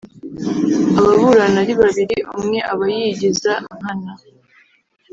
Ababurana ari babiri umwe aba yigiza nkana